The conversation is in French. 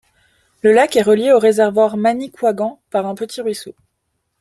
Le lac est relié au réservoir Manicouagan par un petit ruisseau.